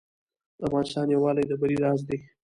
د افغانستان یووالی د بری راز دی